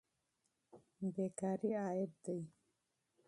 بیکاري عیب دی.